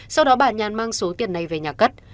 sau đó bà nhàn mang số tiền này về nhà cất